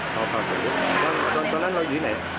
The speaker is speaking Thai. อ๋อปลาขวดตอนนั้นเราอยู่ไหน